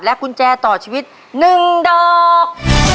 กุญแจต่อชีวิต๑ดอก